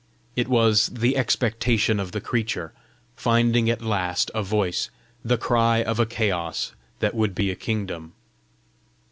It was the "expectation of the creature" finding at last a voice; the cry of a chaos that would be a kingdom!